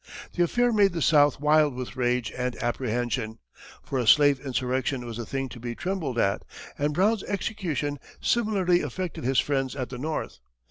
The affair made the South wild with rage and apprehension, for a slave insurrection was a thing to be trembled at, and Brown's execution similarly affected his friends at the North.